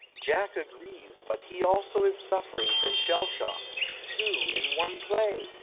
Jack agrees, but he also is suffering from shell shock (two in one play